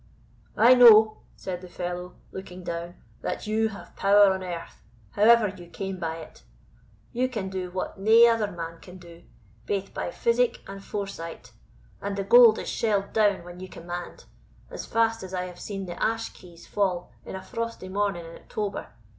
"I know," said the fellow, looking down, "that you have power on earth, however you came by it; you can do what nae other man can do, baith by physic and foresight; and the gold is shelled down when ye command, as fast as I have seen the ash keys fall in a frosty morning in October.